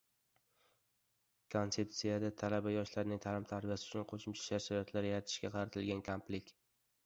Kontseptsiyada talaba-yoshlarning ta’lim-tarbiyasi uchun qo‘shimcha shart-sharoitlar yaratishga qaratilgan komplek